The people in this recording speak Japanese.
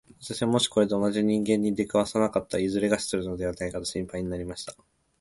私はもしこれで同じ人間に出会わなかったら、いずれ餓死するのではないかと心配になりました。